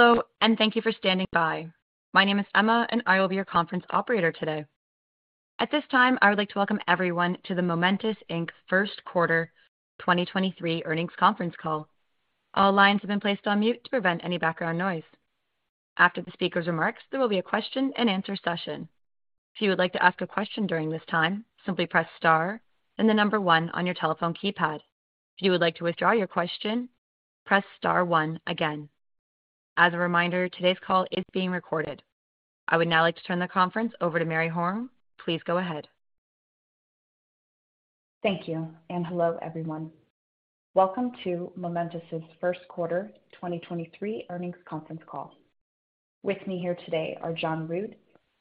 Hello, and thank you for standing by. My name is Emma, and I will be your conference operator today. At this time, I would like to welcome everyone to the Momentus Inc. first quarter 2023 earnings conference call. All lines have been placed on mute to prevent any background noise. After the speaker's remarks, there will be a question-and-answer session. If you would like to ask a question during this time, simply press star, then the one on your telephone keypad. If you would like to withdraw your question, press star one again. As a reminder, today's call is being recorded. I would now like to turn the conference over to Mary Horn. Please go ahead. Thank you. Hello, everyone. Welcome to Momentus' first quarter 2023 earnings conference call. With me here today are John Rood,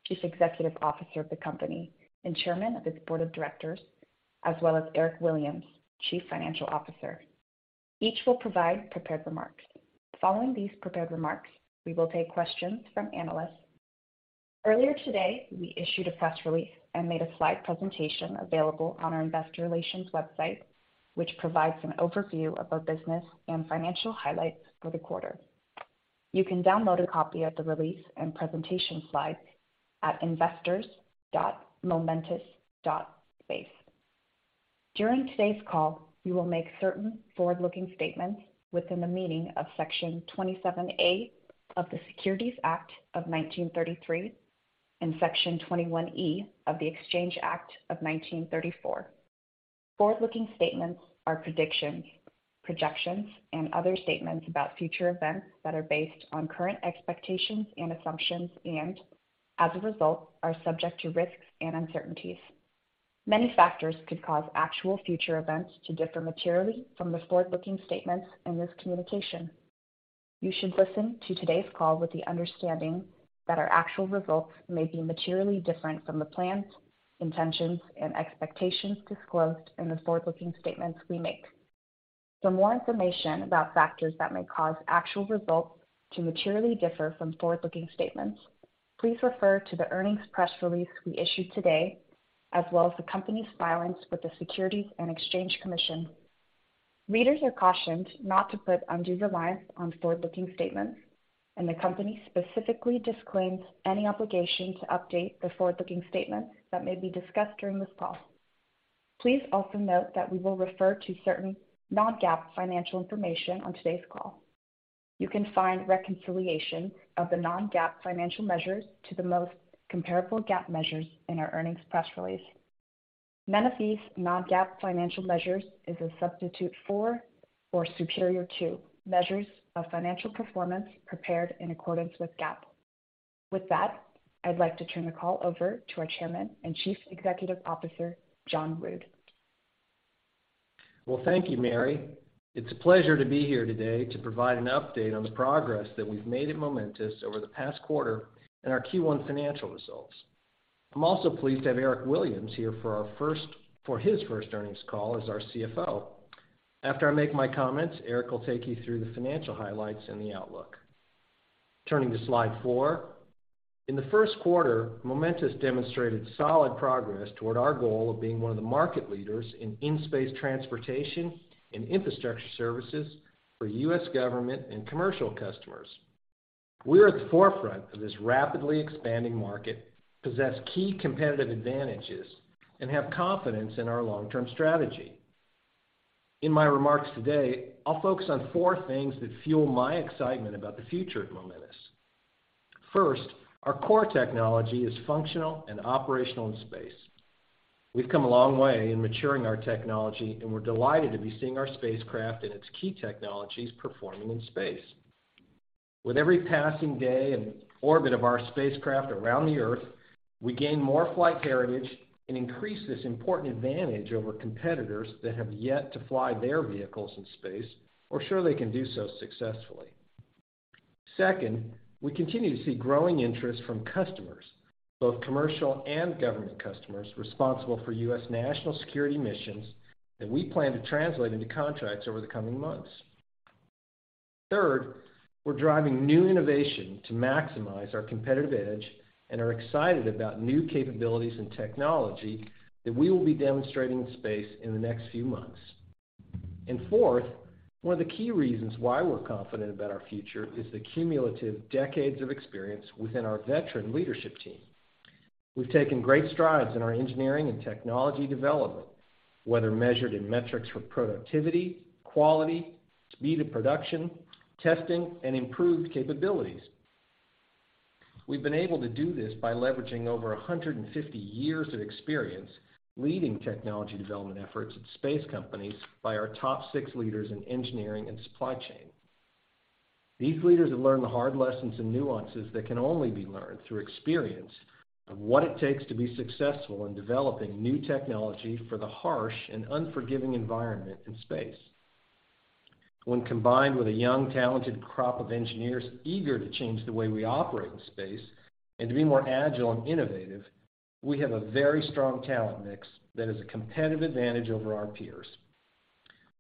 Chief Executive Officer of the company, and Chairman of its Board of Directors, as well as Eric Williams, Chief Financial Officer. Each will provide prepared remarks. Following these prepared remarks, we will take questions from analysts. Earlier today, we issued a press release and made a slide presentation available on our investor relations website, which provides an overview of our business and financial highlights for the quarter. You can download a copy of the release and presentation slides at investors.momentus.space. During today's call, we will make certain forward-looking statements within the meaning of Section 27A of the Securities Act of 1933 and Section 21E of the Exchange Act of 1934. Forward-looking statements are predictions, projections, and other statements about future events that are based on current expectations and assumptions and, as a result, are subject to risks and uncertainties. Many factors could cause actual future events to differ materially from the forward-looking statements in this communication. You should listen to today's call with the understanding that our actual results may be materially different from the plans, intentions, and expectations disclosed in the forward-looking statements we make. For more information about factors that may cause actual results to materially differ from forward-looking statements, please refer to the earnings press release we issued today, as well as the company's filings with the Securities and Exchange Commission. Readers are cautioned not to put undue reliance on forward-looking statements, and the company specifically disclaims any obligation to update the forward-looking statements that may be discussed during this call. Please also note that we will refer to certain non-GAAP financial information on today's call. You can find reconciliation of the non-GAAP financial measures to the most comparable GAAP measures in our earnings press release. None of these non-GAAP financial measures is a substitute for or superior to measures of financial performance prepared in accordance with GAAP. With that, I'd like to turn the call over to our Chairman and Chief Executive Officer, John Rood. Well, thank you, Mary. It's a pleasure to be here today to provide an update on the progress that we've made at Momentus over the past quarter and our Q1 financial results. I'm also pleased to have Eric Williams here for his first earnings call as our CFO. After I make my comments, Eric will take you through the financial highlights and the outlook. Turning to slide four. In the first quarter, Momentus demonstrated solid progress toward our goal of being one of the market leaders in in-space transportation and infrastructure services for U.S. government and commercial customers. We're at the forefront of this rapidly expanding market, possess key competitive advantages, and have confidence in our long-term strategy. In my remarks today, I'll focus on four things that fuel my excitement about the future at Momentus. First, our core technology is functional and operational in space. We've come a long way in maturing our technology, and we're delighted to be seeing our spacecraft and its key technologies performing in space. With every passing day and orbit of our spacecraft around the Earth, we gain more flight heritage and increase this important advantage over competitors that have yet to fly their vehicles in space or show they can do so successfully. Second, we continue to see growing interest from customers, both commercial and government customers responsible for U.S. national security missions that we plan to translate into contracts over the coming months. Third, we're driving new innovation to maximize our competitive edge and are excited about new capabilities and technology that we will be demonstrating in space in the next few months. Fourth, one of the key reasons why we're confident about our future is the cumulative decades of experience within our veteran leadership team. We've taken great strides in our engineering and technology development, whether measured in metrics for productivity, quality, speed of production, testing, and improved capabilities. We've been able to do this by leveraging over 150 years of experience leading technology development efforts at space companies by our top six leaders in engineering and supply chain. These leaders have learned the hard lessons and nuances that can only be learned through experience of what it takes to be successful in developing new technology for the harsh and unforgiving environment in space. When combined with a young talented crop of engineers eager to change the way we operate in space and to be more agile and innovative, we have a very strong talent mix that is a competitive advantage over our peers.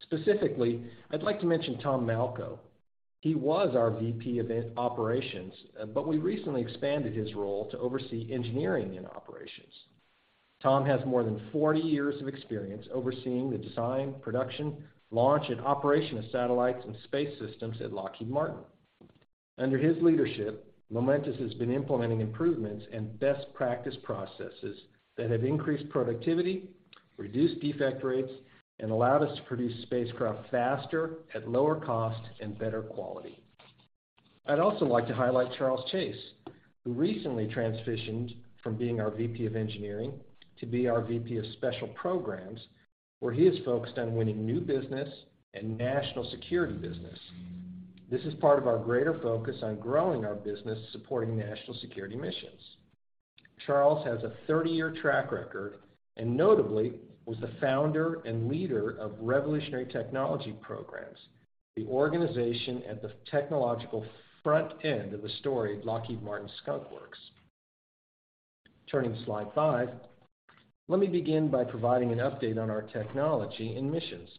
Specifically, I'd like to mention Tom Malco. He was our VP of Operations, but we recently expanded his role to oversee engineering and operations. Tom has more than 40 years of experience overseeing the design, production, launch and operation of satellites and space systems at Lockheed Martin. Under his leadership, Momentus has been implementing improvements and best practice processes that have increased productivity, reduced defect rates, and allowed us to produce spacecraft faster, at lower cost and better quality. I'd also like to highlight Charles Chase, who recently transitioned from being our VP of Engineering to be our VP of Special Programs, where he is focused on winning new business and national security business. This is part of our greater focus on growing our business, supporting national security missions. Charles has a 30-year track record and notably was the Founder and Leader of Revolutionary Technology Programs, the organization at the technological front end of the story at Lockheed Martin Skunk Works. Turning to slide five, let me begin by providing an update on our technology and missions.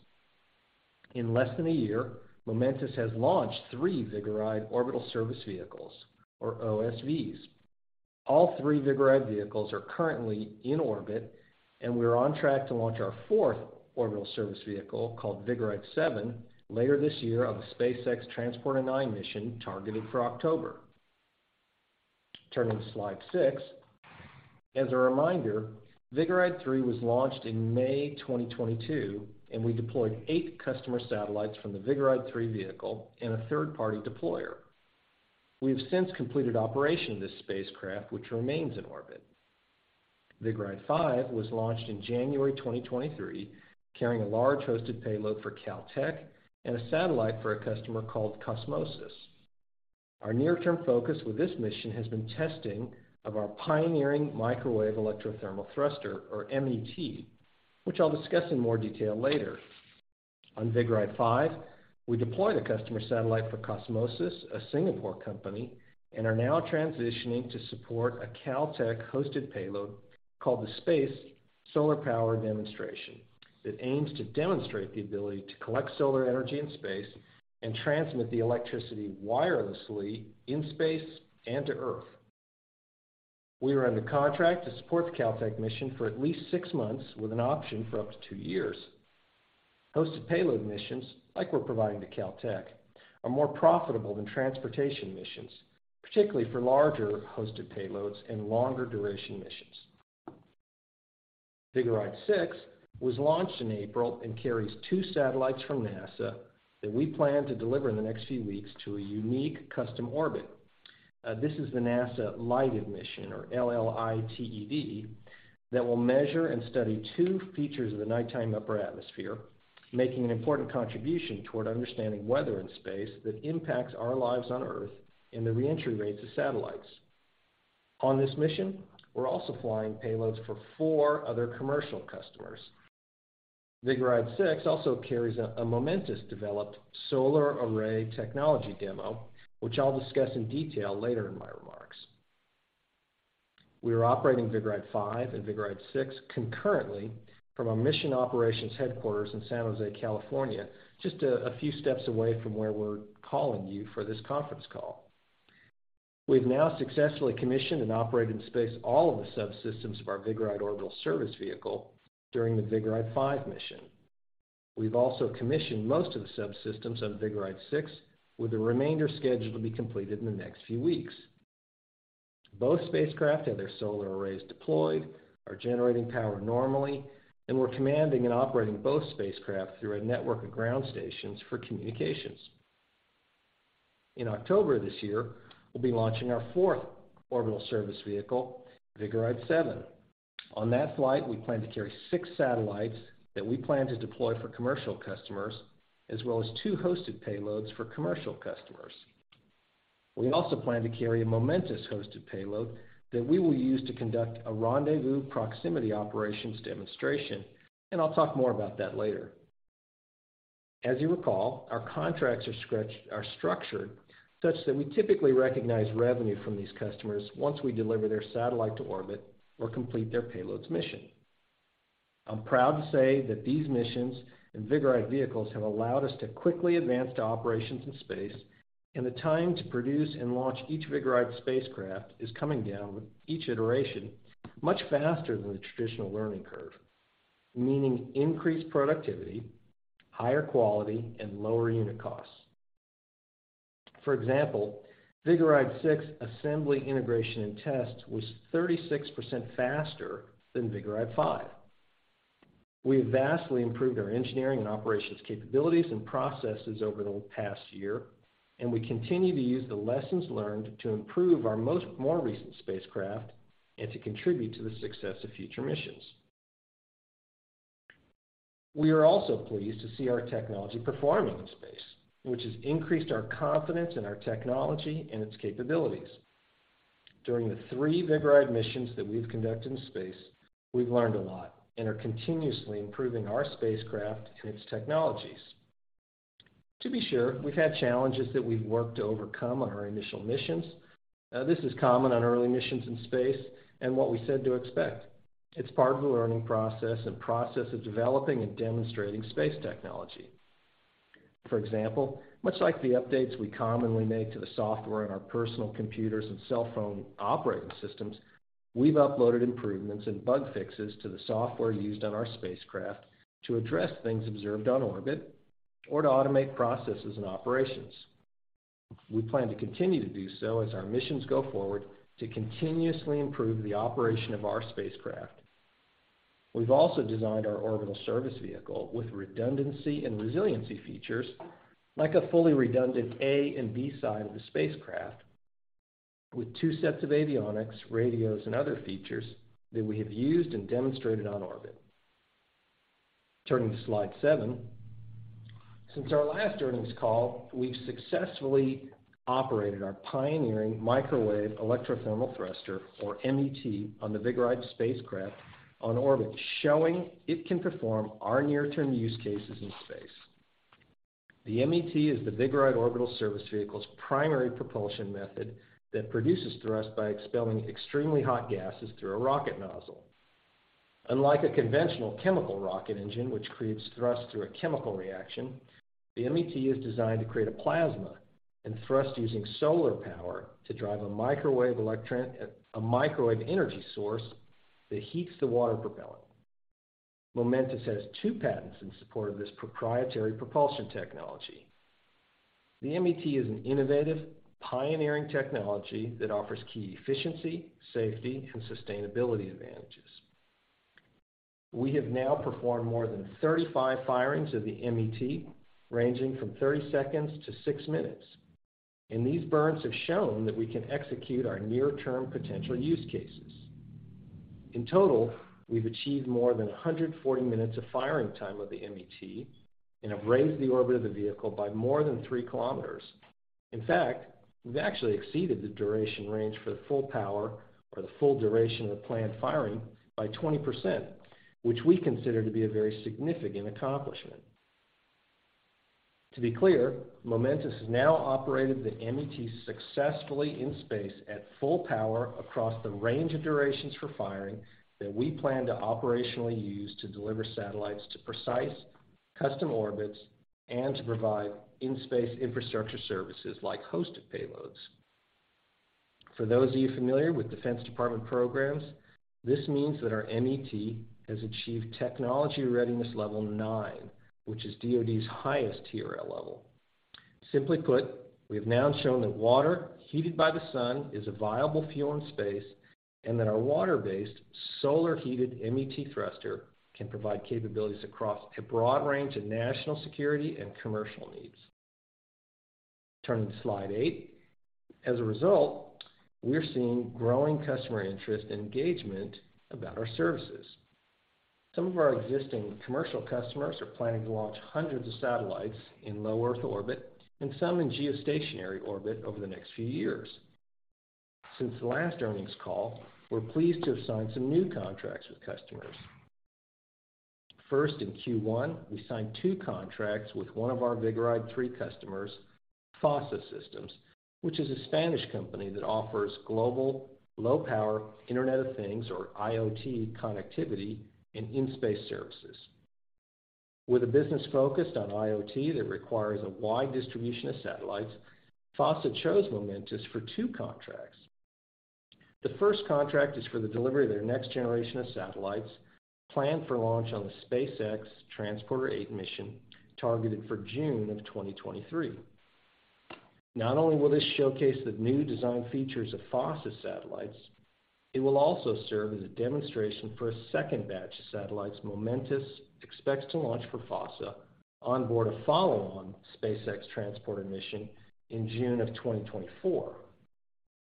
In less than a year, Momentus has launched three Vigoride orbital service vehicles or OSVs. All three Vigoride vehicles are currently in orbit, and we're on track to launch our fourth orbital service vehicle, called Vigoride-7, later this year on the SpaceX Transporter-9 mission targeted for October. Turning to slide six. As a reminder, Vigoride-3 was launched in May 2022, and we deployed eight customer satellites from the Vigoride-3 vehicle and a third-party deployer. We have since completed operation of this spacecraft, which remains in orbit. Vigoride-5 was launched in January 2023, carrying a large hosted payload for Caltech and a satellite for a customer called Qosmosys. Our near-term focus with this mission has been testing of our pioneering Microwave Electrothermal Thruster, or MET, which I'll discuss in more detail later. On Vigoride-5, we deployed a customer satellite for Qosmosys, a Singapore company, and are now transitioning to support a Caltech-hosted payload called the Space Solar Power Demonstration that aims to demonstrate the ability to collect solar energy in space and transmit the electricity wirelessly in space and to Earth. We are under contract to support the Caltech mission for at least six months, with an option for up to two years. Hosted payload missions like we're providing to Caltech are more profitable than transportation missions, particularly for larger hosted payloads and longer-duration missions. Vigoride-6 was launched in April and carries two satellites from NASA that we plan to deliver in the next few weeks to a unique custom orbit. This is the NASA LLITED mission, or L-L-I-T-E-D, that will measure and study two features of the nighttime upper atmosphere, making an important contribution toward understanding weather in space that impacts our lives on Earth and the reentry rates of satellites. On this mission, we're also flying payloads for four other commercial customers. Vigoride-6 also carries a Momentus-developed solar array technology demo, which I'll discuss in detail later in my remarks. We are operating Vigoride-5 and Vigoride-6 concurrently from our mission operations headquarters in San Jose, California, just a few steps away from where we're calling you for this conference call. We've now successfully commissioned and operated in space all of the subsystems of our Vigoride orbital service vehicle during the Vigoride-5 mission. We've also commissioned most of the subsystems on Vigoride-6, with the remainder scheduled to be completed in the next few weeks. Both spacecraft have their solar arrays deployed, are generating power normally, and we're commanding and operating both spacecraft through a network of ground stations for communications. In October this year, we'll be launching our fourth orbital service vehicle, Vigoride-7. On that flight, we plan to carry six satellites that we plan to deploy for commercial customers, as well as two hosted payloads for commercial customers. We also plan to carry a Momentus-hosted payload that we will use to conduct a rendezvous proximity operations demonstration, and I'll talk more about that later. As you recall, our contracts are structured such that we typically recognize revenue from these customers once we deliver their satellite to orbit or complete their payload's mission. I'm proud to say that these missions and Vigoride vehicles have allowed us to quickly advance to operations in space, the time to produce and launch each Vigoride spacecraft is coming down with each iteration much faster than the traditional learning curve, meaning increased productivity, higher quality and lower unit costs. For example, Vigoride-6 assembly, integration and test was 36% faster than Vigoride-5. We have vastly improved our engineering and operations capabilities and processes over the past year, we continue to use the lessons learned to improve our most more recent spacecraft and to contribute to the success of future missions. We are also pleased to see our technology performing in space, which has increased our confidence in our technology and its capabilities. During the three Vigoride missions that we've conducted in space, we've learned a lot and are continuously improving our spacecraft and its technologies. To be sure, we've had challenges that we've worked to overcome on our initial missions. This is common on early missions in space and what we said to expect. It's part of the learning process and process of developing and demonstrating space technology. For example, much like the updates we commonly make to the software on our personal computers and cell phone operating systems, we've uploaded improvements and bug fixes to the software used on our spacecraft to address things observed on orbit or to automate processes and operations. We plan to continue to do so as our missions go forward to continuously improve the operation of our spacecraft. We've also designed our orbital service vehicle with redundancy and resiliency features, like a fully redundant A and B side of the spacecraft, with two sets of avionics, radios, and other features that we have used and demonstrated on orbit. Turning to slide seven. Since our last earnings call, we've successfully operated our pioneering Microwave Electrothermal Thruster, or MET, on the Vigoride spacecraft on orbit, showing it can perform our near-term use cases in space. The MET is the Vigoride orbital service vehicle's primary propulsion method that produces thrust by expelling extremely hot gases through a rocket nozzle. Unlike a conventional chemical rocket engine, which creates thrust through a chemical reaction, the MET is designed to create a plasma and thrust using solar power to drive a microwave energy source that heats the water propellant. Momentus has two patents in support of this proprietary propulsion technology. The MET is an innovative, pioneering technology that offers key efficiency, safety, and sustainability advantages. We have now performed more than 35 firings of the MET, ranging from 30 seconds to six minutes, and these burns have shown that we can execute our near-term potential use cases. In total, we've achieved more than 140 minutes of firing time of the MET and have raised the orbit of the vehicle by more than three kilometers. In fact, we've actually exceeded the duration range for the full power or the full duration of the planned firing by 20%, which we consider to be a very significant accomplishment. To be clear, Momentus has now operated the MET successfully in space at full power across the range of durations for firing that we plan to operationally use to deliver satellites to precise, custom orbits and to provide in-space infrastructure services like hosted payloads. For those of you familiar with Department of Defense programs, this means that our MET has achieved Technology Readiness Level 9, which is DoD's highest TRL level. Simply put, we have now shown that water heated by the sun is a viable fuel in space, and that our water-based, solar-heated MET thruster can provide capabilities across a broad range of national security and commercial needs. Turning to slide eight. As a result, we're seeing growing customer interest and engagement about our services. Some of our existing commercial customers are planning to launch hundreds of satellites in low Earth orbit and some in geostationary orbit over the next few years. Since the last earnings call, we're pleased to have signed some new contracts with customers. First, in Q1, we signed two contracts with one of our Vigoride-3 customers, FOSSA Systems, which is a Spanish company that offers global low-power Internet of Things, or IoT, connectivity and in-space services. With a business focused on IoT that requires a wide distribution of satellites, FOSSA chose Momentus for two contracts. The first contract is for the delivery of their next generation of satellites planned for launch on the SpaceX Transporter-8 mission targeted for June of 2023. Not only will this showcase the new design features of FOSSA satellites, it will also serve as a demonstration for a second batch of satellites Momentus expects to launch for FOSSA on board a follow-on SpaceX Transporter mission in June 2024.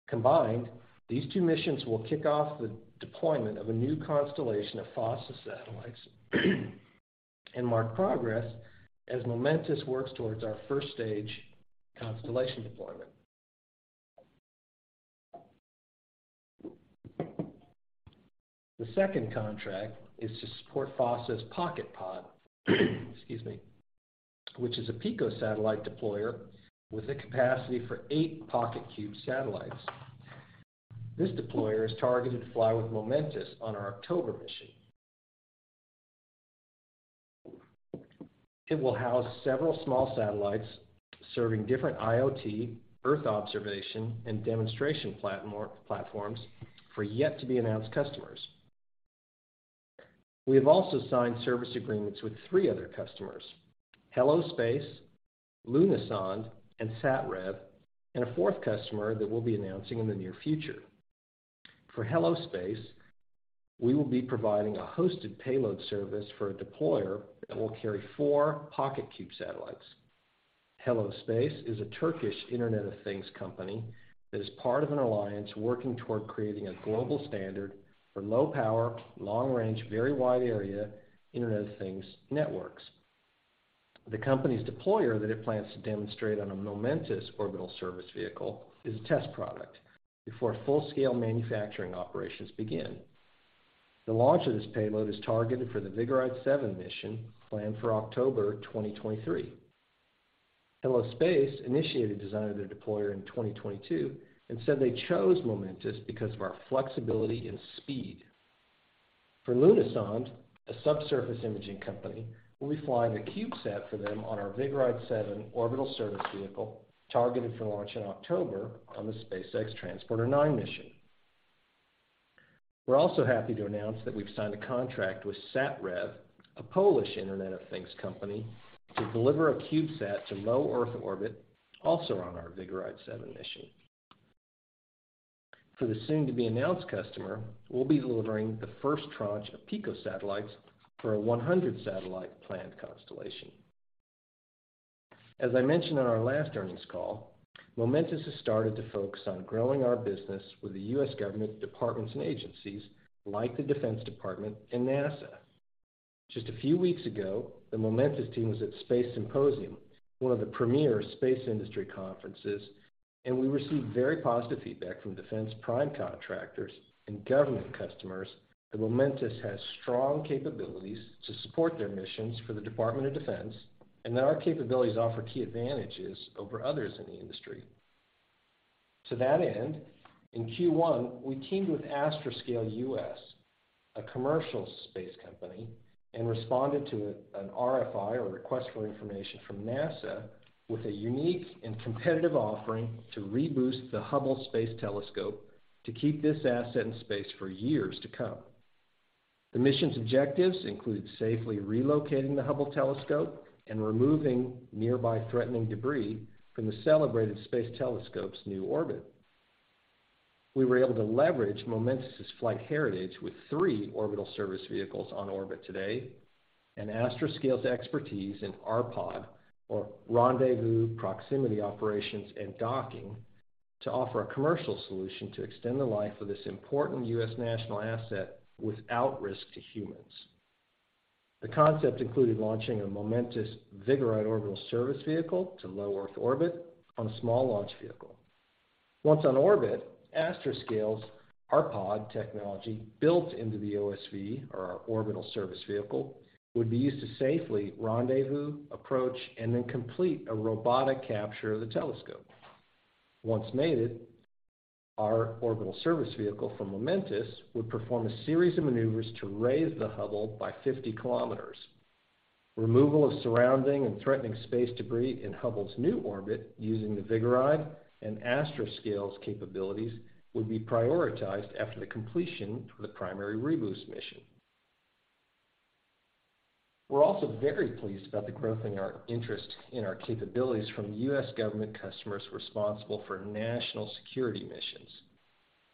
Combined, these two missions will kick off the deployment of a new constellation of FOSSA satellites and mark progress as Momentus works towards our first stage constellation deployment. The second contract is to support FOSSA's PocketPod, excuse me, which is a picosatellite deployer with a capacity for eight PocketQube satellites. This deployer is targeted to fly with Momentus on our October mission. It will house several small satellites serving different IoT, earth observation, and demonstration platforms for yet-to-be-announced customers. We have also signed service agreements with three other customers, Hello Space, Lunasonde, and SatRev, and a fourth customer that we'll be announcing in the near future. For Hello Space, we will be providing a hosted payload service for a deployer that will carry four PocketQube satellites. Hello Space is a Turkish Internet of Things company that is part of an alliance working toward creating a global standard for low-power, long-range, very wide area Internet of Things networks. The company's deployer that it plans to demonstrate on a Momentus orbital service vehicle is a test product before full-scale manufacturing operations begin. The launch of this payload is targeted for the Vigoride-7 mission planned for October 2023. Hello Space initiated design of their deployer in 2022 and said they chose Momentus because of our flexibility and speed. For Lunasonde, a subsurface imaging company, we'll be flying a CubeSat for them on our Vigoride-7 orbital service vehicle, targeted for launch in October on the SpaceX Transporter-9 mission. We're also happy to announce that we've signed a contract with SatRev, a Polish Internet of Things company, to deliver a CubeSat to low Earth orbit, also on our Vigoride-7 mission. For the soon-to-be-announced customer, we'll be delivering the first tranche of picosatellites for a 100-satellite planned constellation. As I mentioned on our last earnings call, Momentus has started to focus on growing our business with the U.S. government departments and agencies like the Defense Department and NASA. Just a few weeks ago, the Momentus team was at Space Symposium, one of the premier space industry conferences, and we received very positive feedback from defense prime contractors and government customers that Momentus has strong capabilities to support their missions for the Department of Defense and that our capabilities offer key advantages over others in the industry. To that end, in Q1, we teamed with Astroscale U.S., a commercial space company, and responded to an RFI or request for information from NASA with a unique and competitive offering to reboost the Hubble Space Telescope to keep this asset in space for years to come. The mission's objectives include safely relocating the Hubble Space Telescope and removing nearby threatening debris from the celebrated space telescope's new orbit. We were able to leverage Momentus' flight heritage with three orbital service vehicles on orbit today and Astroscale's expertise in RPOD or Rendezvous, Proximity Operations and Docking to offer a commercial solution to extend the life of this important U.S. national asset without risk to humans. The concept included launching a Momentus Vigoride orbital service vehicle to low Earth orbit on a small launch vehicle. Once on orbit, Astroscale's RPOD technology built into the OSV or our orbital service vehicle would be used to safely rendezvous, approach, and then complete a robotic capture of the telescope. Once mated, our orbital service vehicle from Momentus would perform a series of maneuvers to raise the Hubble by 50 km. Removal of surrounding and threatening space debris in Hubble's new orbit using the Vigoride and Astroscale's capabilities would be prioritized after the completion of the primary reboost mission. We're also very pleased about the growth in our interest in our capabilities from U.S. government customers responsible for national security missions.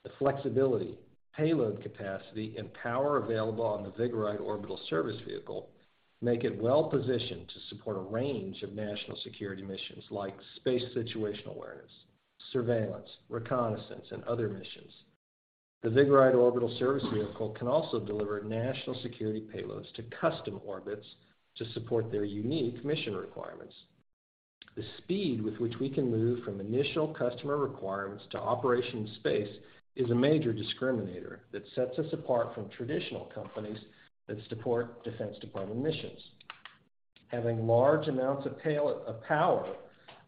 The flexibility, payload capacity, and power available on the Vigoride orbital service vehicle make it well-positioned to support a range of national security missions like space situational awareness, surveillance, reconnaissance, and other missions. The Vigoride orbital service vehicle can also deliver national security payloads to custom orbits to support their unique mission requirements. The speed with which we can move from initial customer requirements to operation in space is a major discriminator that sets us apart from traditional companies that support Defense Department missions. Having large amounts of power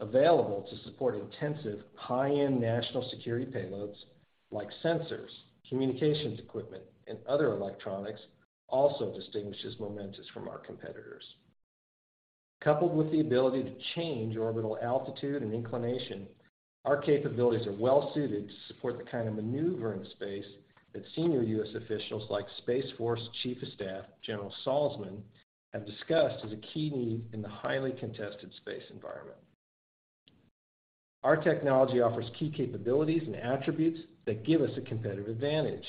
available to support intensive, high-end national security payloads like sensors, communications equipment, and other electronics also distinguishes Momentus from our competitors. Coupled with the ability to change orbital altitude and inclination, our capabilities are well-suited to support the kind of maneuvering space that senior U.S. officials like Space Force Chief of Staff General Saltzman have discussed as a key need in the highly contested space environment. Our technology offers key capabilities and attributes that give us a competitive advantage.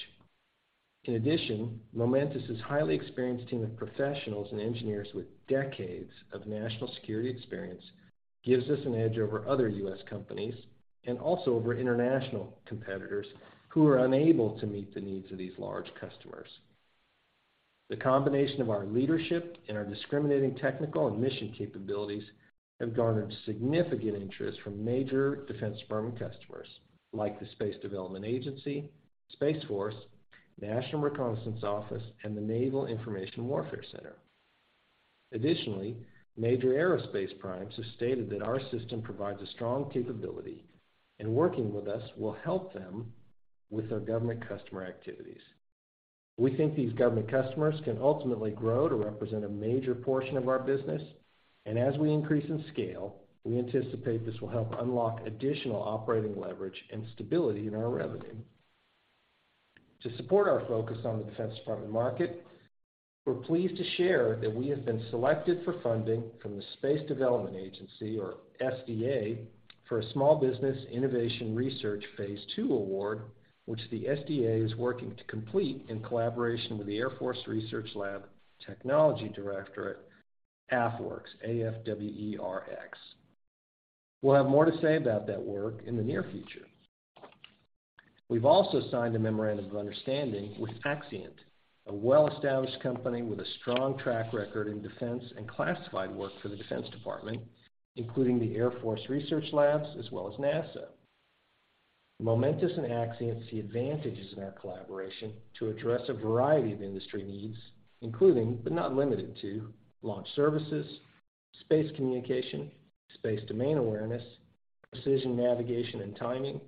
In addition, Momentus' highly experienced team of professionals and engineers with decades of national security experience gives us an edge over other U.S. companies and also over international competitors who are unable to meet the needs of these large customers. The combination of our leadership and our discriminating technical and mission capabilities have garnered significant interest from major Department of Defense customers like the Space Development Agency, U.S. Space Force, National Reconnaissance Office, and the Naval Information Warfare Center. Major aerospace primes have stated that our system provides a strong capability, and working with us will help them with their government customer activities. We think these government customers can ultimately grow to represent a major portion of our business. As we increase in scale, we anticipate this will help unlock additional operating leverage and stability in our revenue. To support our focus on the Department of Defense market, we're pleased to share that we have been selected for funding from the Space Development Agency or SDA for a Small Business Innovation Research Phase II award, which the SDA is working to complete in collaboration with the Air Force Research Lab Technology Directorate, AFWERX, A-F-W-E-R-X. We'll have more to say about that work in the near future. We've also signed a memorandum of understanding with Axient, a well-established company with a strong track record in defense and classified work for the Department of Defense, including the Air Force Research Labs, as well as NASA. Momentus and Axient see advantages in our collaboration to address a variety of industry needs, including, but not limited to, launch services-Space communication, space domain awareness, precision navigation and timing,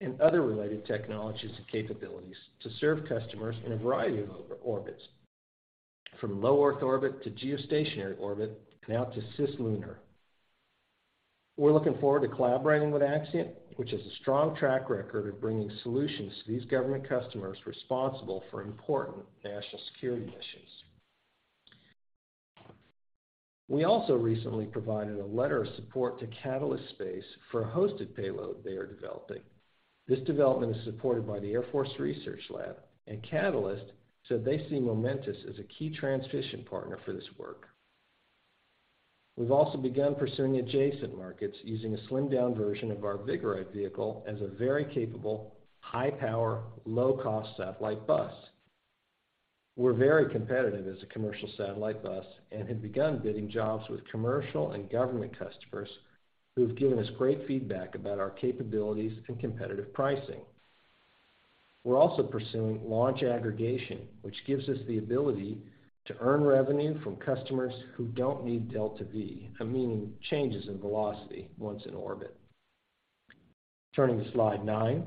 and other related technologies and capabilities to serve customers in a variety of orbits, from low Earth orbit to geostationary orbit, and out to cislunar. We're looking forward to collaborating with Axient, which has a strong track record of bringing solutions to these government customers responsible for important national security missions. We also recently provided a letter of support to Catalyst Space for a hosted payload they are developing. This development is supported by the Air Force Research Lab, and Catalyst said they see Momentus as a key transition partner for this work. We've also begun pursuing adjacent markets using a slimmed-down version of our Vigoride vehicle as a very capable, high-power, low-cost satellite bus. We're very competitive as a commercial satellite bus and have begun bidding jobs with commercial and government customers who have given us great feedback about our capabilities and competitive pricing. We're also pursuing launch aggregation, which gives us the ability to earn revenue from customers who don't need delta-v, meaning changes in velocity once in orbit. Turning to slide nine.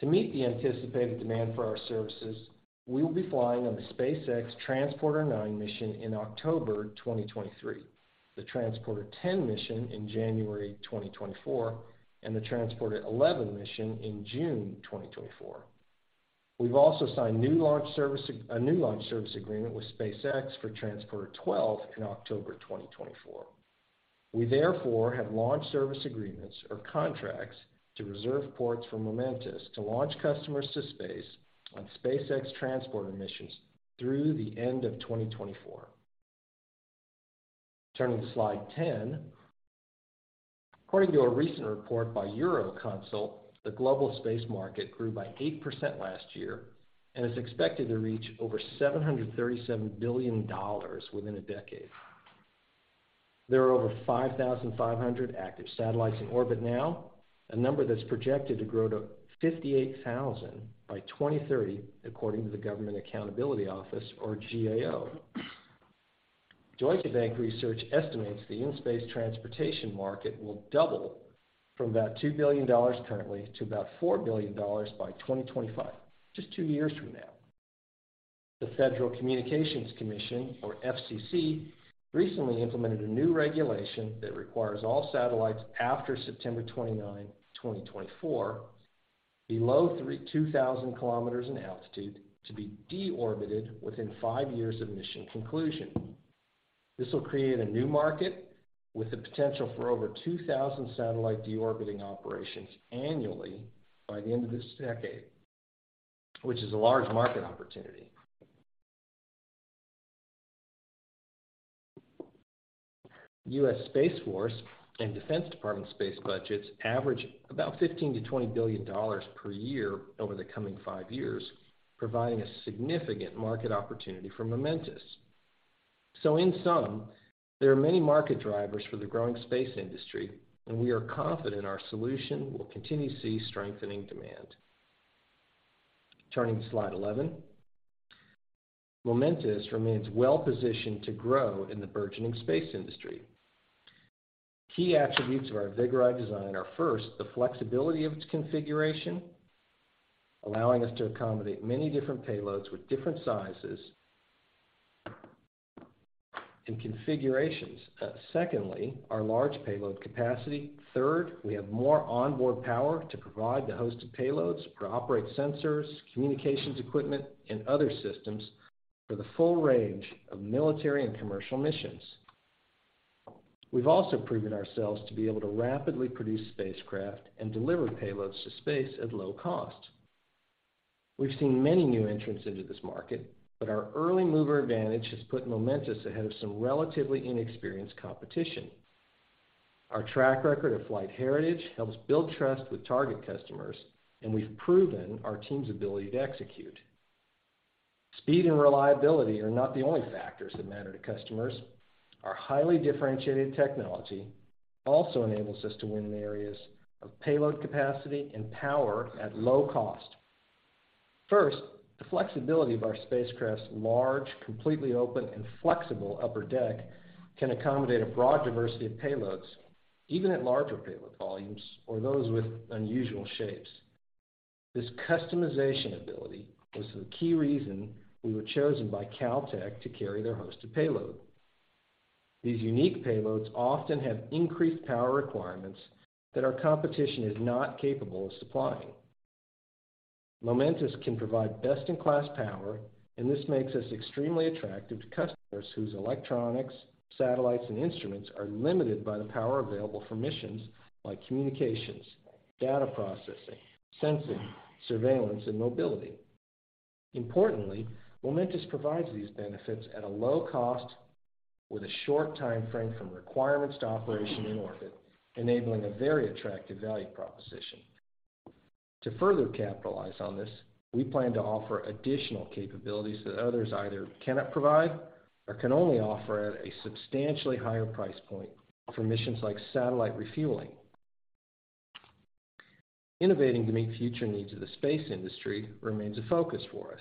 To meet the anticipated demand for our services, we will be flying on the SpaceX Transporter-9 mission in October 2023, the Transporter-10 mission in January 2024, and the Transporter-11 mission in June 2024. We've also signed a new launch service agreement with SpaceX for Transporter-12 in October 2024. We therefore have launch service agreements or contracts to reserve ports for Momentus to launch customers to space on SpaceX Transporter missions through the end of 2024. Turning to slide 10. According to a recent report by Euroconsult, the global space market grew by 8% last year and is expected to reach over $737 billion within a decade. There are over 5,500 active satellites in orbit now, a number that's projected to grow to 58,000 by 2030, according to the Government Accountability Office or GAO. Deutsche Bank Research estimates the in-space transportation market will double from about $2 billion currently to about $4 billion by 2025, just two years from now. The Federal Communications Commission, or FCC, recently implemented a new regulation that requires all satellites after September 29, 2024, below 2,000 km in altitude to be deorbited within five years of mission conclusion. This will create a new market with the potential for over 2,000 satellite deorbiting operations annually by the end of this decade, which is a large market opportunity. U.S. Space Force and Department of Defense space budgets average about $15 billion-$20 billion per year over the coming five years, providing a significant market opportunity for Momentus. In sum, there are many market drivers for the growing space industry, and we are confident our solution will continue to see strengthening demand. Turning to slide 11. Momentus remains well-positioned to grow in the burgeoning space industry. Key attributes of our Vigoride design are, first, the flexibility of its configuration, allowing us to accommodate many different payloads with different sizes and configurations. Secondly, our large payload capacity. Third, we have more onboard power to provide the hosted payloads to operate sensors, communications equipment, and other systems for the full range of military and commercial missions. We've also proven ourselves to be able to rapidly produce spacecraft and deliver payloads to space at low cost. We've seen many new entrants into this market, but our early mover advantage has put Momentus ahead of some relatively inexperienced competition. Our track record of flight heritage helps build trust with target customers, and we've proven our team's ability to execute. Speed and reliability are not the only factors that matter to customers. Our highly differentiated technology also enables us to win in the areas of payload capacity and power at low cost. The flexibility of our spacecraft's large, completely open, and flexible upper deck can accommodate a broad diversity of payloads, even at larger payload volumes or those with unusual shapes. This customization ability was the key reason we were chosen by Caltech to carry their hosted payload. These unique payloads often have increased power requirements that our competition is not capable of supplying. Momentus can provide best-in-class power, and this makes us extremely attractive to customers whose electronics, satellites, and instruments are limited by the power available for missions like communications, data processing, sensing, surveillance, and mobility. Importantly, Momentus provides these benefits at a low cost with a short time frame from requirements to operation in orbit, enabling a very attractive value proposition. To further capitalize on this, we plan to offer additional capabilities that others either cannot provide or can only offer at a substantially higher price point for missions like satellite refueling. Innovating to meet future needs of the space industry remains a focus for us.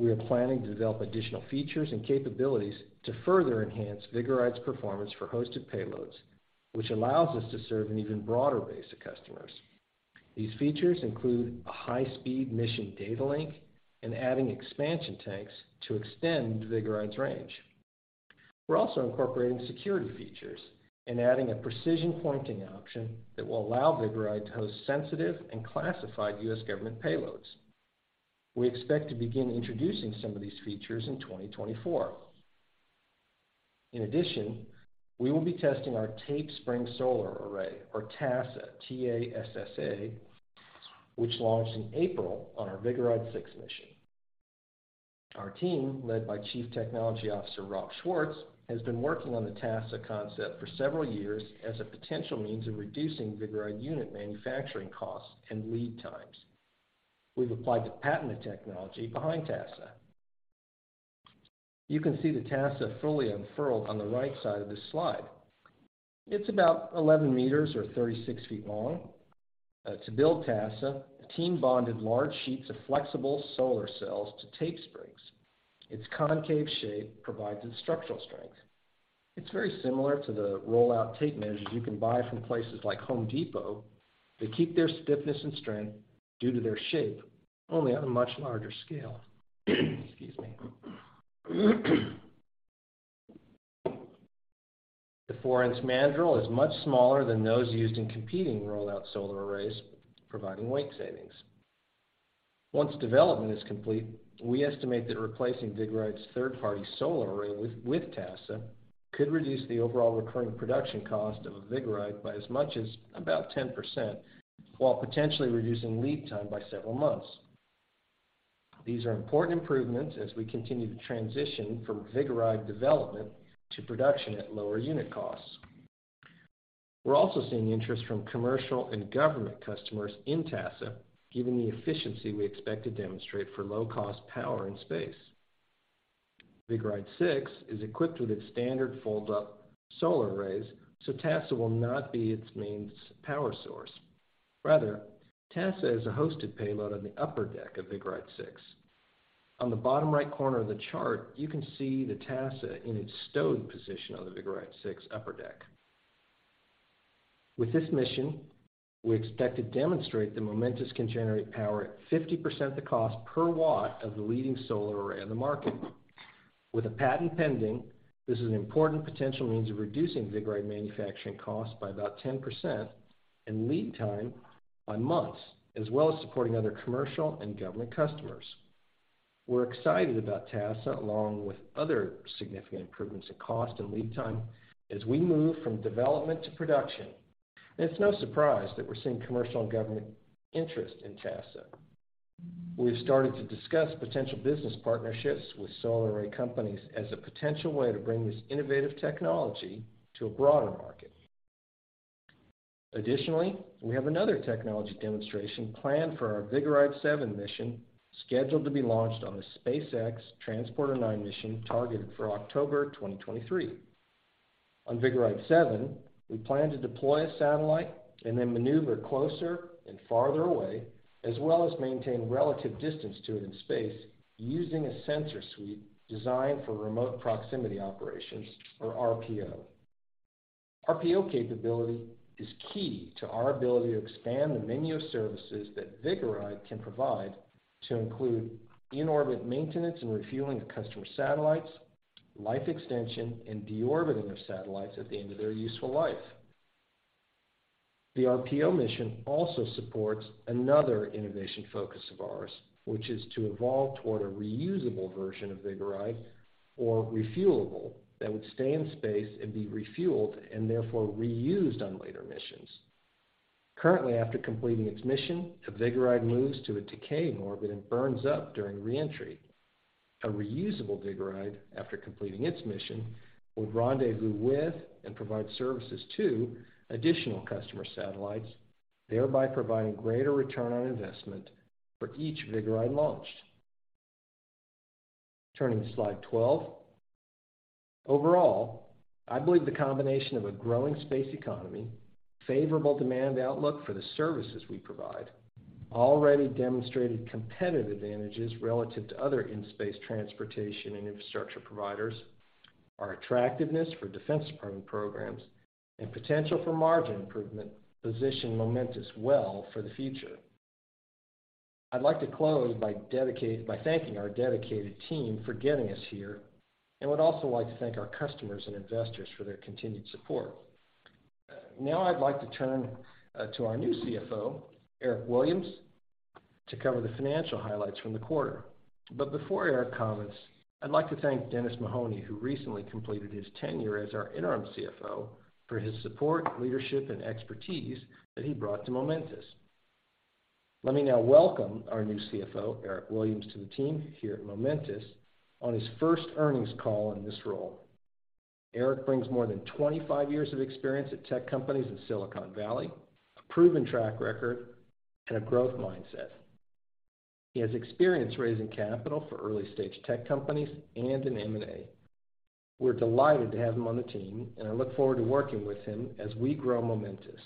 We are planning to develop additional features and capabilities to further enhance Vigoride's performance for hosted payloads, which allows us to serve an even broader base of customers. These features include a high-speed mission data link and adding expansion tanks to extend Vigoride's range. We're also incorporating security features and adding a precision pointing option that will allow Vigoride to host sensitive and classified U.S. government payloads. We expect to begin introducing some of these features in 2024. In addition, we will be testing our Tape Spring Solar Array, or TASSA, T-A-S-S-A, which launched in April on our Vigoride-6 mission. Our team, led by Chief Technology Officer Rob Schwarz, has been working on the TASSA concept for several years as a potential means of reducing Vigoride unit manufacturing costs and lead times. We've applied the patented technology behind TASSA. You can see the TASSA fully unfurled on the right side of this slide. It's about 11 meters or 36 feet long. To build TASSA, the team bonded large sheets of flexible solar cells to tape springs. Its concave shape provides its structural strength. It's very similar to the rollout tape measures you can buy from places like The Home Depot that keep their stiffness and strength due to their shape, only on a much larger scale. Excuse me. The four-inch mandrel is much smaller than those used in competing rollout solar arrays, providing weight savings. Once development is complete, we estimate that replacing Vigoride's third-party solar array with TASSA could reduce the overall recurring production cost of a Vigoride by as much as about 10%, while potentially reducing lead time by several months. These are important improvements as we continue to transition from Vigoride development to production at lower unit costs. We're also seeing interest from commercial and government customers in TASSA, given the efficiency we expect to demonstrate for low-cost power in space. Vigoride-6 is equipped with its standard fold-up solar arrays, so TASSA will not be its main power source. Rather, TASSA is a hosted payload on the upper deck of Vigoride-6. On the bottom right corner of the chart, you can see the TASSA in its stowed position on the Vigoride-6 upper deck. With this mission, we expect to demonstrate that Momentus can generate power at 50% the cost per watt of the leading solar array on the market. With a patent pending, this is an important potential means of reducing Vigoride manufacturing costs by about 10% and lead time by months, as well as supporting other commercial and government customers. We're excited about TASSA along with other significant improvements in cost and lead time as we move from development to production. It's no surprise that we're seeing commercial and government interest in TASSA. We've started to discuss potential business partnerships with solar array companies as a potential way to bring this innovative technology to a broader market. Additionally, we have another technology demonstration planned for our Vigoride-7 mission, scheduled to be launched on a SpaceX Transporter-9 mission targeted for October 2023. On Vigoride-7, we plan to deploy a satellite and then maneuver closer and farther away, as well as maintain relative distance to it in space using a sensor suite designed for remote proximity operations or RPO. RPO capability is key to our ability to expand the menu of services that Vigoride can provide to include in-orbit maintenance and refueling of customer satellites, life extension, and deorbiting of satellites at the end of their useful life. The RPO mission also supports another innovation focus of ours, which is to evolve toward a reusable version of Vigoride or refuelable that would stay in space and be refueled and therefore reused on later missions. Currently, after completing its mission, a Vigoride moves to a decaying orbit and burns up during reentry. A reusable Vigoride, after completing its mission, would rendezvous with and provide services to additional customer satellites, thereby providing greater return on investment for each Vigoride launched. Turning to slide 12. Overall, I believe the combination of a growing space economy, favorable demand outlook for the services we provide, already demonstrated competitive advantages relative to other in-space transportation and infrastructure providers, our attractiveness for Defense Department programs, and potential for margin improvement position Momentus well for the future. I'd like to close by thanking our dedicated team for getting us here and would also like to thank our customers and investors for their continued support. Now I'd like to turn to our new CFO, Eric Williams, to cover the financial highlights from the quarter. Before Eric comments, I'd like to thank Dennis Mahoney, who recently completed his tenure as our interim CFO, for his support, leadership, and expertise that he brought to Momentus. Let me now welcome our new CFO, Eric Williams, to the team here at Momentus on his first earnings call in this role. Eric brings more than 25 years of experience at tech companies in Silicon Valley, a proven track record, and a growth mindset. He has experience raising capital for early-stage tech companies and in M&A. We're delighted to have him on the team, and I look forward to working with him as we grow Momentus.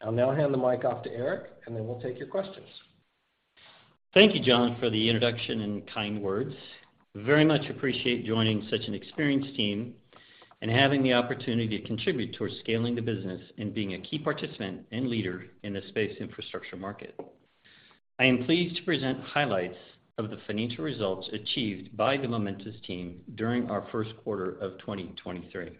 I'll now hand the mic off to Eric, and then we'll take your questions. Thank you, John, for the introduction and kind words. Very much appreciate joining such an experienced team and having the opportunity to contribute towards scaling the business and being a key participant and leader in the space infrastructure market. I am pleased to present highlights of the financial results achieved by the Momentus team during our first quarter of 2023.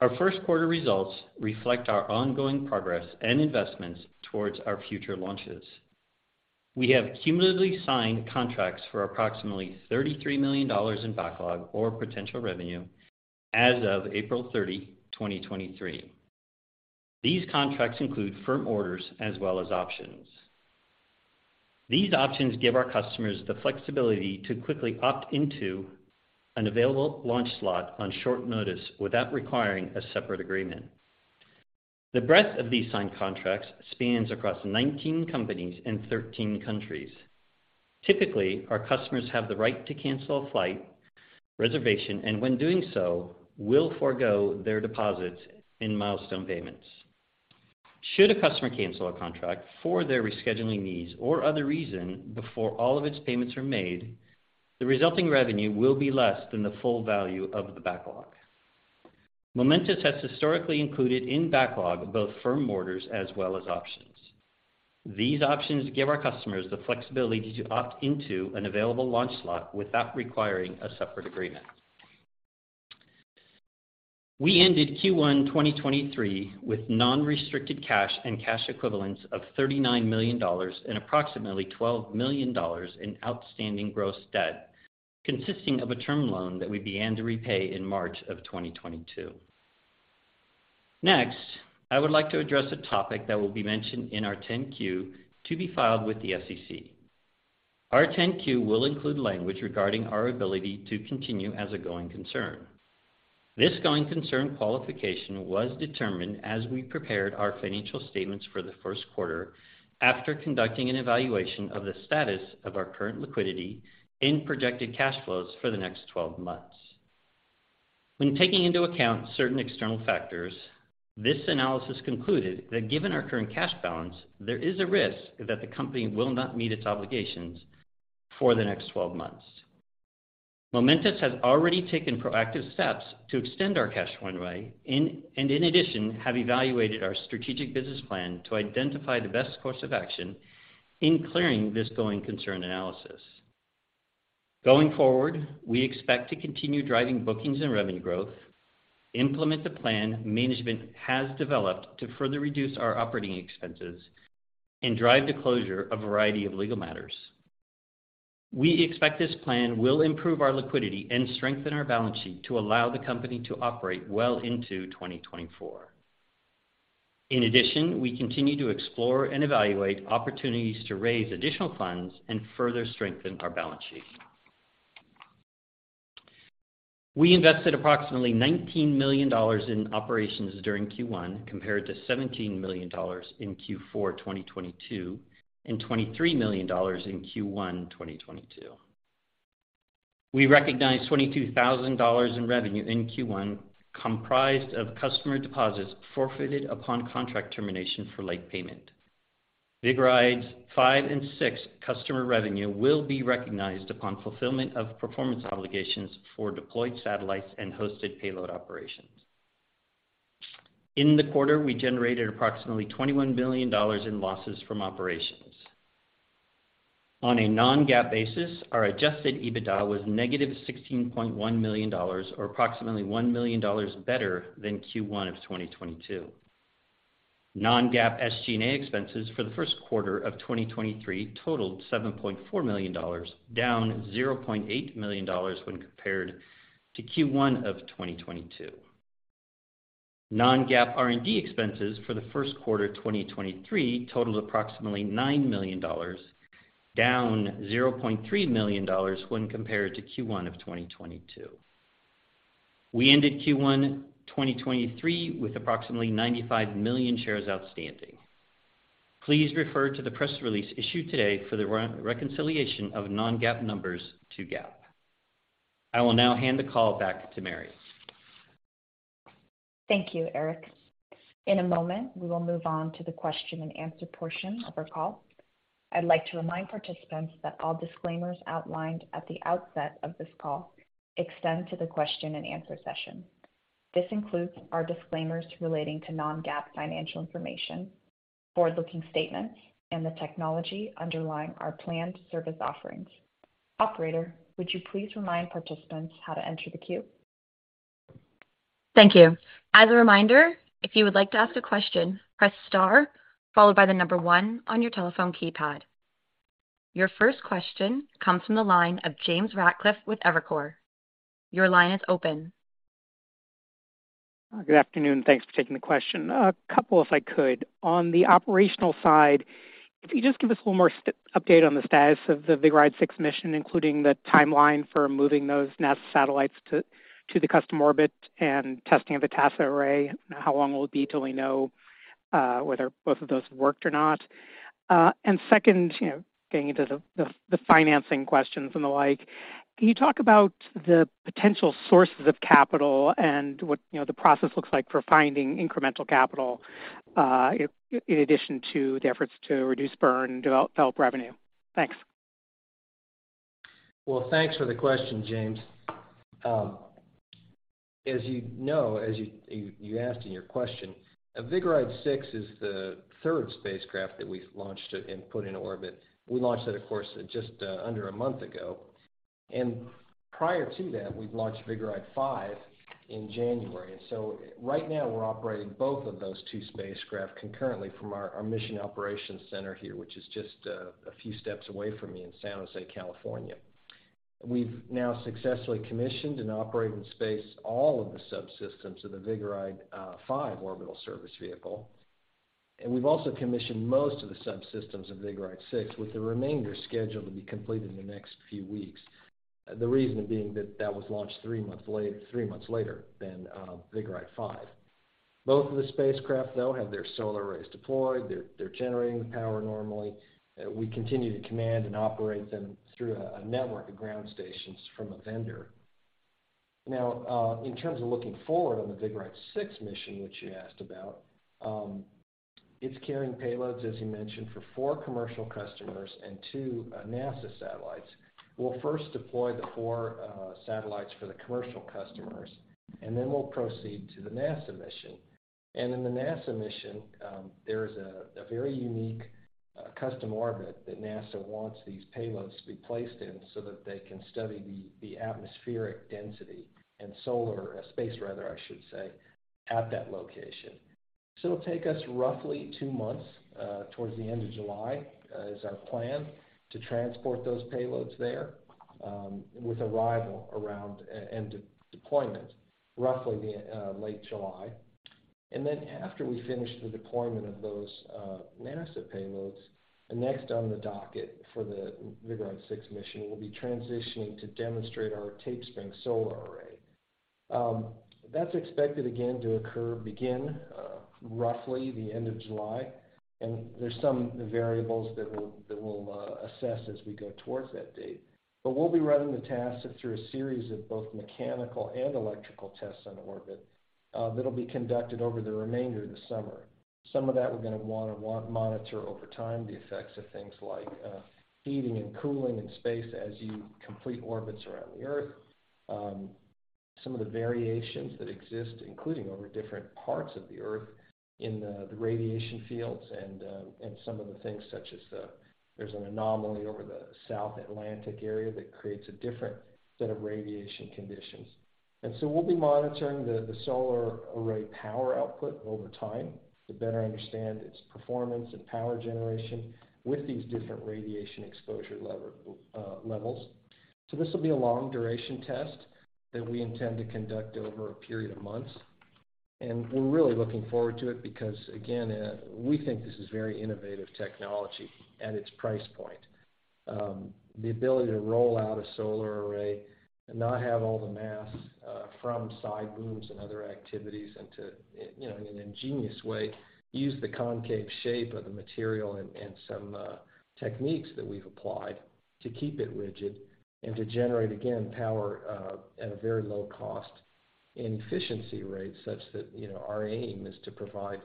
Our first quarter results reflect our ongoing progress and investments towards our future launches. We have cumulatively signed contracts for approximately $33 million in backlog or potential revenue as of April 30, 2023. These contracts include firm orders as well as options. These options give our customers the flexibility to quickly opt into an available launch slot on short notice without requiring a separate agreement. The breadth of these signed contracts spans across 19 companies in 13 countries. Typically, our customers have the right to cancel a flight reservation and when doing so, will forego their deposits in milestone payments. Should a customer cancel a contract for their rescheduling needs or other reason before all of its payments are made, the resulting revenue will be less than the full value of the backlog. Momentus has historically included in backlog both firm orders as well as options. These options give our customers the flexibility to opt into an available launch slot without requiring a separate agreement. We ended Q1, 2023 with non-restricted cash and cash equivalents of $39 million and approximately $12 million in outstanding gross debt, consisting of a term loan that we began to repay in March of 2022. I would like to address a topic that will be mentioned in our 10-Q to be filed with the SEC. Our 10-Q will include language regarding our ability to continue as a going concern. This going concern qualification was determined as we prepared our financial statements for the first quarter after conducting an evaluation of the status of our current liquidity and projected cash flows for the next 12 months. When taking into account certain external factors, this analysis concluded that given our current cash balance, there is a risk that the company will not meet its obligations for the next 12 months. Momentus has already taken proactive steps to extend our cash runway and in addition, have evaluated our strategic business plan to identify the best course of action in clearing this going concern analysis. Going forward, we expect to continue driving bookings and revenue growth, implement the plan management has developed to further reduce our operating expenses, and drive the closure of a variety of legal matters. We expect this plan will improve our liquidity and strengthen our balance sheet to allow the company to operate well into 2024. In addition, we continue to explore and evaluate opportunities to raise additional funds and further strengthen our balance sheet. We invested approximately $19 million in operations during Q1 compared to $17 million in Q4 2022, and $23 million in Q1 2022. We recognized $22,000 in revenue in Q1 comprised of customer deposits forfeited upon contract termination for late payment. Vigoride-5 and -6 customer revenue will be recognized upon fulfillment of performance obligations for deployed satellites and hosted payload operations. In the quarter, we generated approximately $21 million in losses from operations. On a non-GAAP basis, our adjusted EBITDA was -$16.1 million or approximately $1 million better than Q1 of 2022. Non-GAAP SG&A expenses for the first quarter of 2023 totaled $7.4 million, down $0.8 million when compared to Q1 of 2022. Non-GAAP R&D expenses for the first quarter of 2023 totaled approximately $9 million, down $0.3 million when compared to Q1 of 2022. We ended Q1, 2023 with approximately 95 million shares outstanding. Please refer to the press release issued today for the re-reconciliation of non-GAAP numbers to GAAP. I will now hand the call back to Mary. Thank you, Eric. In a moment, we will move on to the question and answer portion of our call. I'd like to remind participants that all disclaimers outlined at the outset of this call extend to the question and answer session. This includes our disclaimers relating to non-GAAP financial information, forward-looking statements, and the technology underlying our planned service offerings. Operator, would you please remind participants how to enter the queue? Thank you. As a reminder, if you would like to ask a question, press star followed by the one on your telephone keypad. Your first question comes from the line of James Ratcliffe with Evercore. Your line is open. Good afternoon. Thanks for taking the question. A couple if I could. On the operational side, if you just give us a little more update on the status of the Vigoride-6 mission, including the timeline for moving those NASA satellites to the custom orbit and testing of the TASSA array. How long will it be till we know whether both of those worked or not? Second, you know, getting into the financing questions and the like, can you talk about the potential sources of capital and what, you know, the process looks like for finding incremental capital in addition to the efforts to reduce burn and develop revenue? Thanks. Well, thanks for the question, James. As you know, as you asked in your question, a Vigoride-6 is the third spacecraft that we've launched and put into orbit. We launched that, of course, just under a month ago. Prior to that, we've launched Vigoride-5 in January. Right now we're operating both of those two spacecraft concurrently from our mission operations center here, which is just a few steps away from me in San José, California. We've now successfully commissioned and operate in space all of the subsystems of the Vigoride-5 orbital service vehicle. We've also commissioned most of the subsystems of Vigoride-6, with the remainder scheduled to be completed in the next few weeks. The reason being that that was launched three months later than Vigoride-5. Both of the spacecraft, though, have their solar arrays deployed. They're generating the power normally. We continue to command and operate them through a network of ground stations from a vendor. In terms of looking forward on the Vigoride-6 mission, which you asked about, it's carrying payloads, as you mentioned, for four commercial customers and two NASA satellites. We'll first deploy the four satellites for the commercial customers. Then we'll proceed to the NASA mission. In the NASA mission, there's a very unique custom orbit that NASA wants these payloads to be placed in so that they can study the atmospheric density and space rather, I should say, at that location. It'll take us roughly two months towards the end of July is our plan to transport those payloads there, with arrival around and deployment roughly the late July. After we finish the deployment of those NASA payloads, next on the docket for the Vigoride-6 mission will be transitioning to demonstrate our Tape Spring Solar Array. That's expected again to occur, begin, roughly the end of July. There's some variables that we'll assess as we go towards that date. We'll be running the task through a series of both mechanical and electrical tests on orbit that'll be conducted over the remainder of the summer. Some of that we're gonna wanna monitor over time the effects of things like heating and cooling in space as you complete orbits around the Earth. Some of the variations that exist, including over different parts of the Earth in the radiation fields and some of the things such as there's an anomaly over the South Atlantic area that creates a different set of radiation conditions. We'll be monitoring the solar array power output over time to better understand its performance and power generation with these different radiation exposure levels. This will be a long duration test that we intend to conduct over a period of months. We're really looking forward to it because, again, we think this is very innovative technology at its price point. The ability to roll out a solar array and not have all the mass from side booms and other activities and to, you know, in an ingenious way, use the concave shape of the material and some techniques that we've applied to keep it rigid and to generate, again, power at a very low cost and efficiency rates such that, you know, our aim is to provide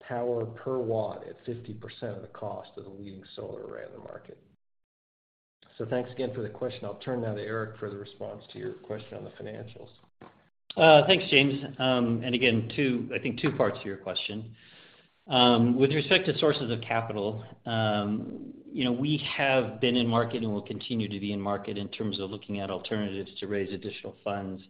power per watt at 50% of the cost of the leading solar array on the market. Thanks again for the question. I'll turn now to Eric for the response to your question on the financials. think two parts to your question. With respect to sources of capital, you know, we have been in market and will continue to be in market in terms of looking at alternatives to raise additional funds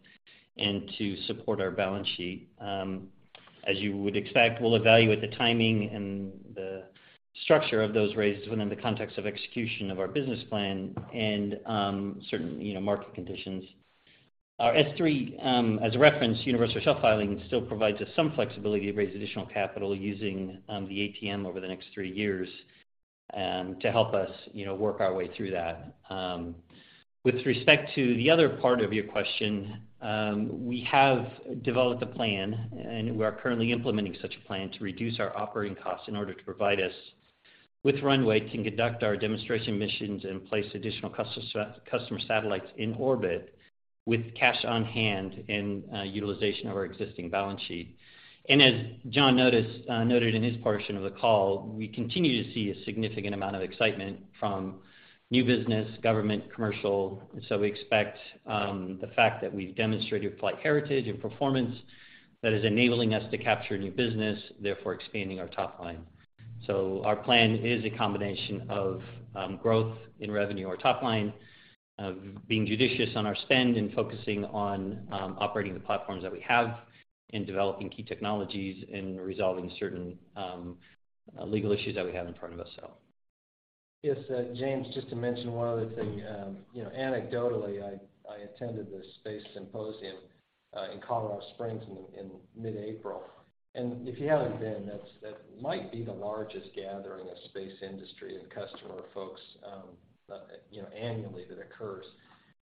and to support our balance sheet. As you would expect, we'll evaluate the timing and the structure of those raises within the context of execution of our business plan and market conditions. Our S-3, as a reference, universal shelf filing still provides us some flexibility to raise additional capital using the ATM over the next three years to help us, you know, work our way through that. With respect to the other part of your question, we have developed a plan, and we are currently implementing such a plan to reduce our operating costs in order to provide us with runway to conduct our demonstration missions and place additional customer satellites in orbit with cash on hand and utilization of our existing balance sheet. As John noted in his portion of the call, we continue to see a significant amount of excitement from new business, government, commercial. We expect the fact that we've demonstrated flight heritage and performance, that is enabling us to capture new business, therefore expanding our top line. Our plan is a combination of growth in revenue or top line, of being judicious on our spend and focusing on operating the platforms that we have, and developing key technologies and resolving certain legal issues that we have in front of us, so. Yes, James, just to mention one other thing. you know, anecdotally, I attended the Space Symposium, in Colorado Springs in mid-April. If you haven't been, that's, that might be the largest gathering of space industry and customer folks, you know, annually that occurs.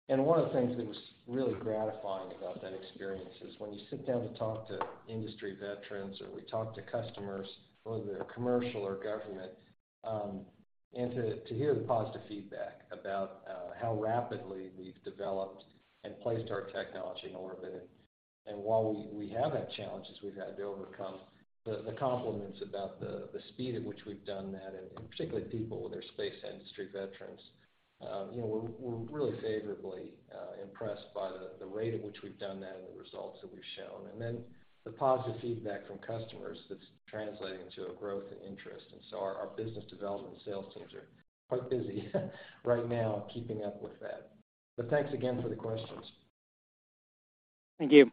One of the things that was really gratifying about that experience is when you sit down to talk to industry veterans or we talk to customers, whether they're commercial or government, and to hear the positive feedback about, how rapidly we've developed and placed our technology in orbit. While we have had challenges we've had to overcome, the compliments about the speed at which we've done that, and in particular people when they're space industry veterans, you know, we're really favorably impressed by the rate at which we've done that and the results that we've shown. The positive feedback from customers that's translating to a growth in interest. Our business development sales teams are quite busy right now keeping up with that. Thanks again for the questions. Thank you.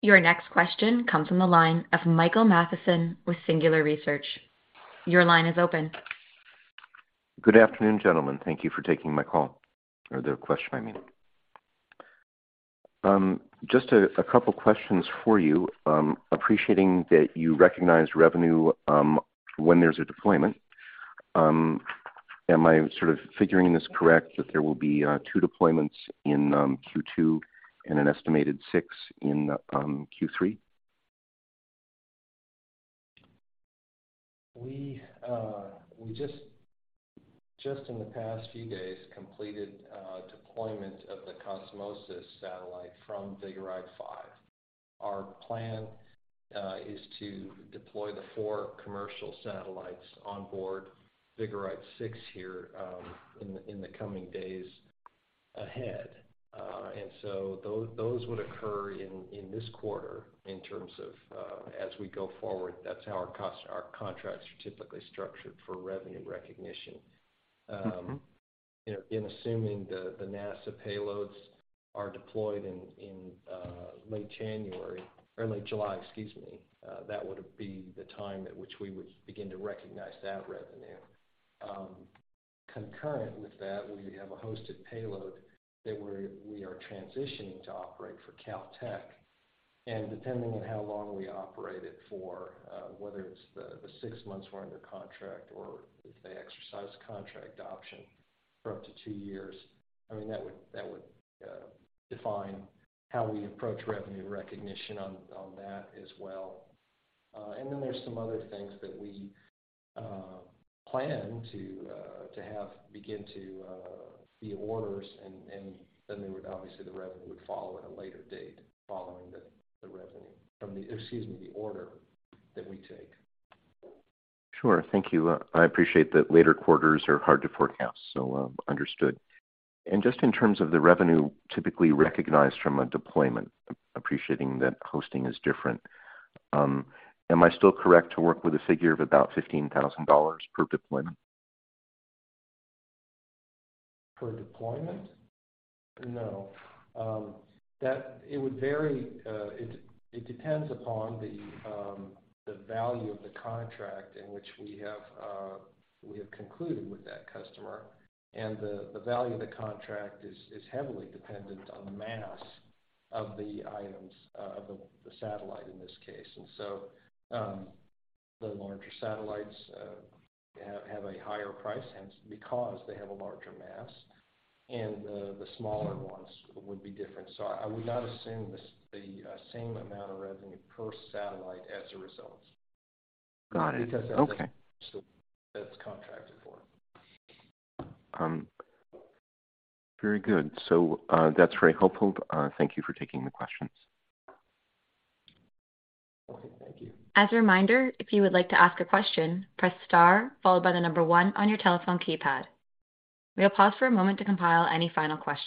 Your next question comes from the line of Michael Matheson with Singular Research. Your line is open. Good afternoon, gentlemen. Thank you for taking my call. Or the question, I mean. Just a couple questions for you. Appreciating that you recognized revenue, when there's a deployment, am I sort of figuring this correct that there will be two deployments in Q2 and an estimated six in Q3? We just in the past few days completed deployment of the Qosmosys satellite from Vigoride-5. Our plan is to deploy the four commercial satellites on board Vigoride-6 here in the coming days ahead. Those would occur in this quarter in terms of as we go forward, that's how our contracts are typically structured for revenue recognition. Mm-hmm. You know, in assuming the NASA payloads are deployed in late January or late July, excuse me, that would be the time at which we would begin to recognize that revenue. Concurrent with that, we have a hosted payload that we are transitioning to operate for Caltech. Depending on how long we operate it for, whether it's the six months we're under contract, or if they exercise contract option for up to two years, I mean that would define how we approach revenue recognition on that as well. Then there's some other things that we plan to have begin to be orders and then they would, obviously the revenue would follow at a later date following the revenue. From the... Excuse me, the order that we take. Sure. Thank you. I appreciate that later quarters are hard to forecast, understood. Just in terms of the revenue typically recognized from a deployment, appreciating that hosting is different, am I still correct to work with a figure of about $15,000 per deployment? Per deployment? No. It would vary. It depends upon the value of the contract in which we have concluded with that customer. The value of the contract is heavily dependent on the mass of the items, of the satellite in this case. The larger satellites have a higher price hence because they have a larger mass, and the smaller ones would be different. I would not assume the same amount of revenue per satellite as a result. Got it. Okay. That's what that's contracted for. Very good. That's very helpful. Thank you for taking the questions. Okay. Thank you. As a reminder, if you would like to ask a question, press star followed by the number one on your telephone keypad. We'll pause for a moment to compile any final questions.